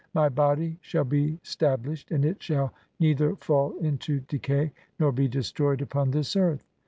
My "body shall be stablished, and it shall neither fall "into decay nor be destroyed upon this earth".